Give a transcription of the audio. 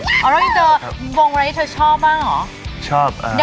เอาแล้วอินเตอร์วงอะไรที่เธอชอบบ้างเหรอ